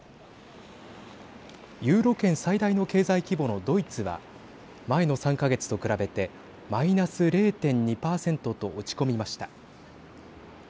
ユーロ圏最大の経済規模のドイツは前の３か月と比べてマイナス０．２％と落ち込みました。